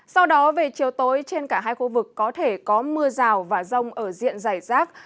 sau đó về chiều tối trên cả hai khu vực có thể có mưa rào và rông ở diện dày rác